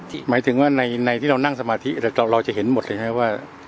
หมายถึงว่าในที่เรานั่งสมาธิแต่เราจะเห็นหมดเลยนะครับว่า